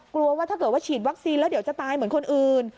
กลัวว่าถ้าเกิดว่าฉีดวัคซีนแล้วเดี๋ยวจะตายเหมือนคนอื่น